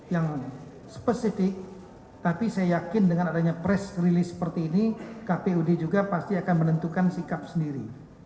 yang spesifik tapi saya yakin dengan adanya press release seperti ini kpud juga pasti akan menentukan sikap sendiri